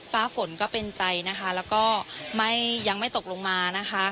ฟ้าฝนก็เป็นใจนะคะแล้วก็ไม่ยังไม่ตกลงมานะคะ